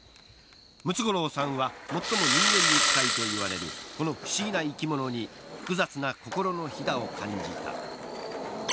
ムツゴロウさんは最も人間に近いといわれるこの不思議な生き物に複雑な心のひだを感じた。